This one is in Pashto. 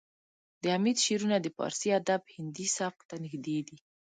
د حمید شعرونه د پارسي ادب هندي سبک ته نږدې دي